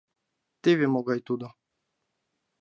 Теве могай тудо...